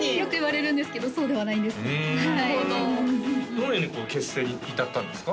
どのようにこう結成に至ったんですか？